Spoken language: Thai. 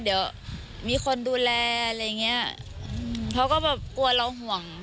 เดี๋ยวมีคนดูแลอะไรอย่างเงี้ยเขาก็แบบกลัวเราห่วง